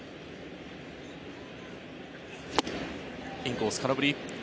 インコース、空振り。